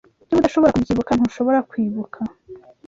Niba udashobora kubyibuka, ntushobora kwibuka